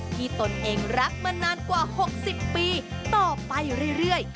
ตนเองรักมานานกว่า๖๐ปีต่อไปเรื่อย